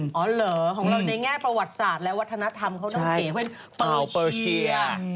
หรอของเรายังไงยประวัติศาสตร์และวัฒนธรรมเค้าต้องเก็บเกตเตะเปอร์เชีย